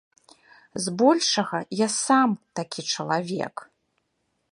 Збольшага я сам такі чалавек.